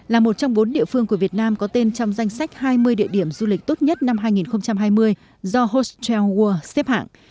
là một trong bốn địa phương của việt nam có tên trong danh sách hai mươi địa điểm du lịch tốt nhất năm hai nghìn hai mươi do hostel world xếp hạng